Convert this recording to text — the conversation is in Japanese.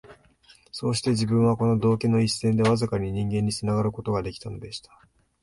そうして自分は、この道化の一線でわずかに人間につながる事が出来たのでした